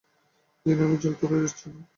দিন, আমি জল তুলে দিচ্ছি।